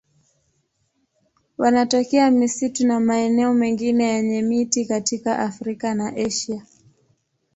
Wanatokea misitu na maeneo mengine yenye miti katika Afrika na Asia.